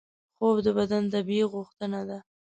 خوب د بدن طبیعي غوښتنه ده